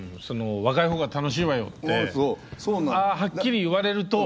「若い方が楽しいわよ」ってああはっきり言われると。